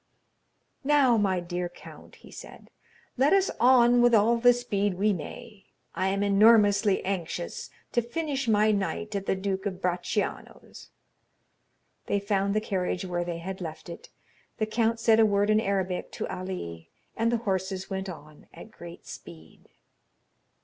"Now, my dear count," he said, "let us on with all the speed we may. I am enormously anxious to finish my night at the Duke of Bracciano's." They found the carriage where they had left it. The count said a word in Arabic to Ali, and the horses went on at great speed.